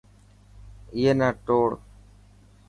ائي نا توڙ.